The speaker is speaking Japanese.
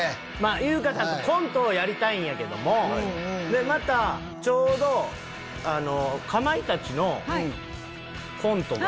優香さんとコントをやりたいんやけどもまたちょうどかまいたちのコントが。